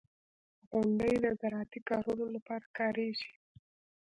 • غونډۍ د زراعتي کارونو لپاره کارېږي.